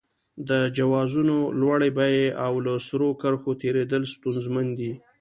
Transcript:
د جوازونو لوړې بیې او له سرو کرښو تېرېدل ستونزمن دي.